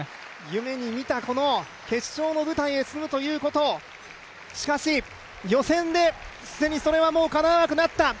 夢に見たこの決勝の舞台へ進むということ、しかし、予選で既にそれはもう、かなわなくなった。